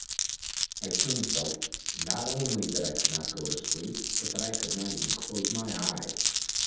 I soon felt not only that I could not go to sleep, but that I could not even close my eyes.